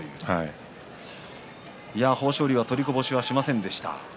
豊昇龍、取りこぼしはしませんでした。